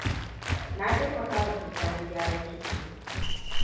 Na taimakawa Tijjani gyaran kicin.